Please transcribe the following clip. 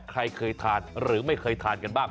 ใครเคยทานหรือไม่เคยทานกันบ้าง